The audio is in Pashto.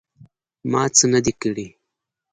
_ما څه نه دي کړي.